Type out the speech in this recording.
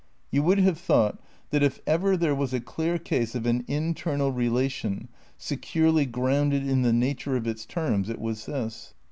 You would have thought that if ever there was a dear case of an internal relation, securely "grounded in the nature of its terms," it was this.